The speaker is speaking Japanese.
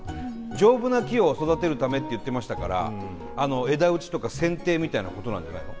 丈夫な木を育てるためって言ってましたから枝打ちとかせんていみたいなことなんじゃないの？